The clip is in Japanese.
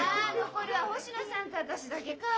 残るは星野さんと私だけか。